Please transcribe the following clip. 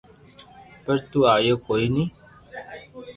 پر تو آيو ڪوئي ني